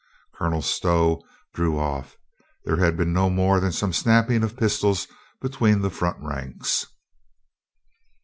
Colonel Stow drew off. There had been no more than some snapping of pistols be tween the front ranks.